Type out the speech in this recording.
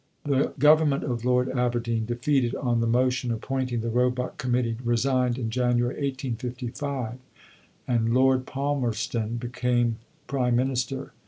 The Government of Lord Aberdeen, defeated on the motion appointing the Roebuck Committee, resigned in January 1855, and Lord Palmerston became Prime Minister.